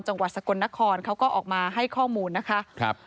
จังหวัดสกลนครเขาก็ออกมาให้ข้อมูลนะคะครับ